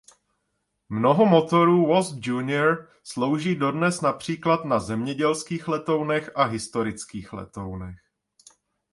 Mnoho motorů Wasp Junior slouží dodnes například na zemědělských letounech a historických letounech.